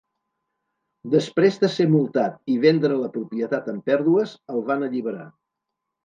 Després de ser multat i vendre la propietat amb pèrdues, el van alliberar.